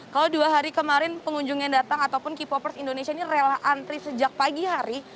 kalau dua hari kemarin pengunjung yang datang ataupun k popers indonesia ini rela antri sejak pagi hari